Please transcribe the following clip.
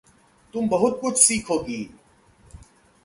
तुम बहुत कुछ सीखोगी।